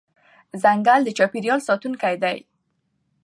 ځنګل د چاپېریال ساتونکی دی.